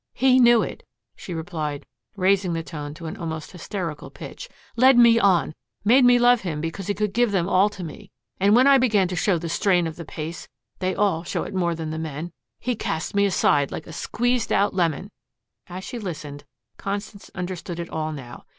He knew it," she repeated, raising the tone to an almost hysterical pitch, "led me on, made me love him because he could give them all to me. And when I began to show the strain of the pace they all show it more than the men he cast me aside like a squeezed out lemon." As she listened, Constance understood it all now.